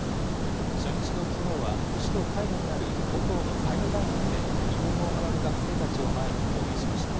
初日のきのうは首都カイロにある母校のカイロ大学で、日本語を学ぶ学生たちを前に講演しました。